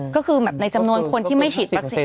ก็คือแบบในจำนวนคนที่ไม่ฉีดวัคซีน